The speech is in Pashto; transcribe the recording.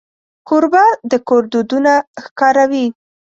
کوربه د کور دودونه ښکاروي.